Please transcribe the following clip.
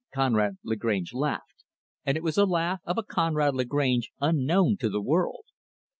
Conrad Lagrange laughed and it was the laugh of a Conrad Lagrange unknown to the world.